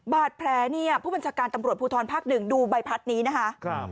บาดแผลเนี่ยผู้บัญชาการตำรวจภูทรภาคหนึ่งดูใบพัดนี้นะคะ